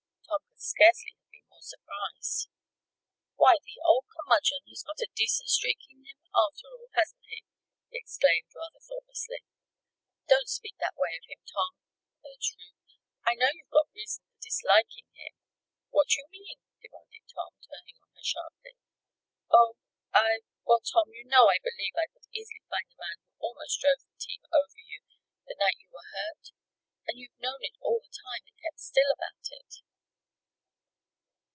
Tom could scarcely have been more surprised. "Why, the old curmudgeon has got a decent streak in him, after all; hasn't he?" he exclaimed, rather thoughtlessly. "Don't speak that way of him, Tom," urged Ruth. "I know you've got reason for disliking him " "What do you mean?" demanded Tom, turning on her sharply. "Oh, I Well, Tom, you know I believe I could easily find the man who almost drove the team over you the night you were hurt? And you've known it all the time, and kept still about it!"